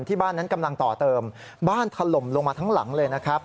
บ้านนั้นกำลังต่อเติมบ้านถล่มลงมาทั้งหลังเลยนะครับ